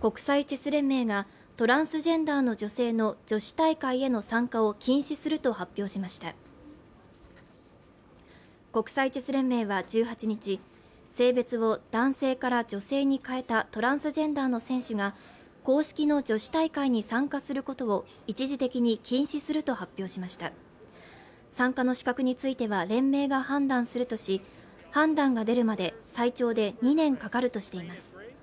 国際チェス連盟がトランスジェンダーの女性の女子大会への参加を禁止すると発表しました国際チェス連盟は１８日性別を男性から女性に変えたトランスジェンダーの選手が公式の女子大会に参加することを一時的に禁止すると発表しました参加の資格については連盟が判断するとし判断が出るまで最長で２年かかるとしています